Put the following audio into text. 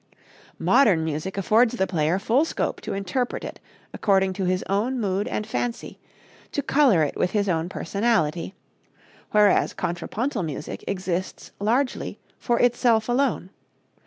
Modern music affords the player full scope to interpret it according to his own mood and fancy, to color it with his own personality, whereas contrapuntal music exists largely for itself alone.